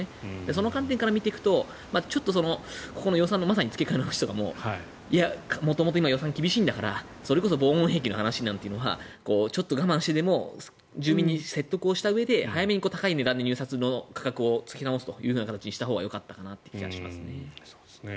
その観点から見ていくと予算の付け替えの話とかもいや、元々予算厳しいんだから防音壁の話なんて言うのはちょっと我慢してでも住民に説得をしたうえで早めに高い値段で入札価格を付け直す形にしたほうがよかったかなという気がします。